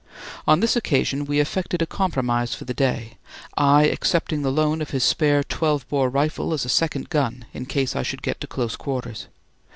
On this occasion we effected a compromise for the day, I accepting the loan of his spare 12 bore rifle as a second gun in case I should get to close quarters.